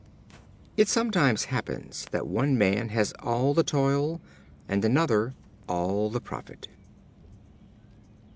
It sometimes happens that one man has all the toil, and another all the profit.